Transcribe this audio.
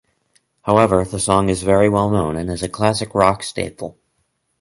However, the song is very well known and is a classic rock staple.